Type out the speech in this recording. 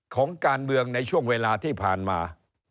ของการเมืองในช่วงเวลาที่ผ่านมา